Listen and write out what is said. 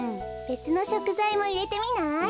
べつのしょくざいもいれてみない？